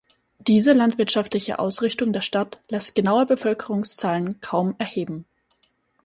Diese landwirtschaftliche Ausrichtung der Stadt lässt genaue Bevölkerungszahlen kaum erheben.